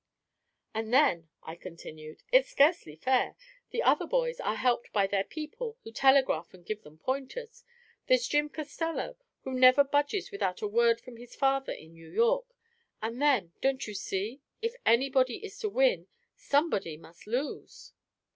"And then," I continued, "it's scarcely fair. The other boys are helped by their people, who telegraph and give them pointers. There's Jim Costello, who never budges without a word from his father in New York. And then, don't you see, if anybody is to win, somebody must lose?"